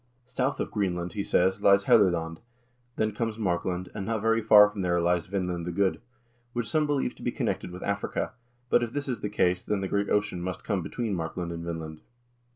"South of Greenland," he says, "lies Helluland, then comes Markland, and not very far from there lies Vinland the Good, which some believe to be connected with Africa ; but if this is the case, then the great ocean must come between Markland and Vinland.